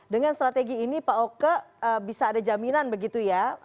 dengan strategi ini pak oke bisa ada jaminan begitu ya